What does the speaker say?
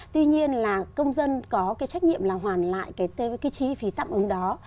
tuy nhiên là công dân có trách nhiệm là hoàn lại cái trí phí tạm ứng đó